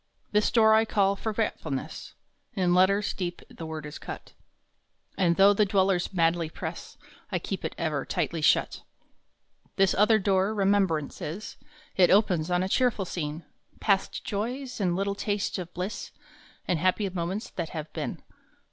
This door I call " Forgetfulness " In letters deep the word is cut And though the dwellers madly press, I keep it ever tightly shut. This other door " Remembrance " is. It opens on a cheerful scene Past joys, and little tastes of bliss, And happy moments that have been.